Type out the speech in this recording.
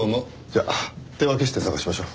じゃあ手分けして捜しましょ。